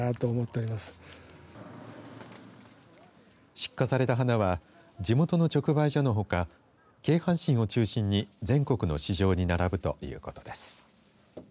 出荷された花は地元の直売所のほか京阪神を中心に全国の市場に並ぶということです。